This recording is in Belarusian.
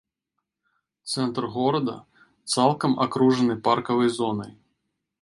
Цэнтр горада цалкам акружаны паркавай зонай.